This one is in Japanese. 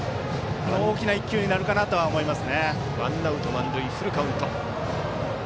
大きな１球になるかなと思います。